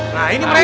nah ini mereka